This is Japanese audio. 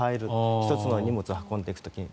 １つの荷物を運んでいく時に。